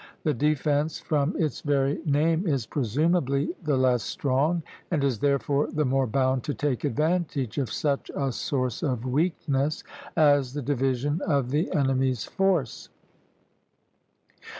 The defence, from its very name, is presumably the less strong, and is therefore the more bound to take advantage of such a source of weakness as the division of the enemy's force.